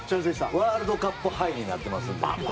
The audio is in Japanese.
ワールドカップハイになってますんで。